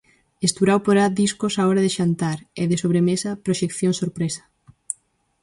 Esturao porá discos á hora de xantar e, de sobremesa, proxeccións sorpresa.